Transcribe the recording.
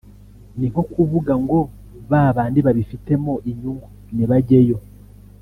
ni nko kuvuga ngo ba bandi babifitemo inyungu nibajyeyo